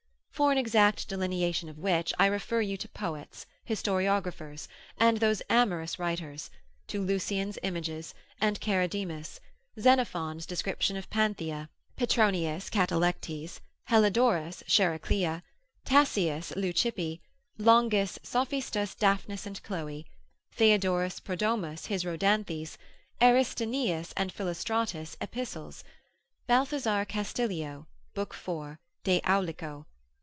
For an exact delineation of which, I refer you to poets, historiographers, and those amorous writers, to Lucian's Images, and Charidemus, Xenophon's description of Panthea, Petronius Catalectes, Heliodorus Chariclia, Tacius Leucippe, Longus Sophista's Daphnis and Chloe, Theodorus Prodromus his Rhodanthes, Aristaenetus and Philostratus Epistles, Balthazar Castilio, lib. 4. de aulico.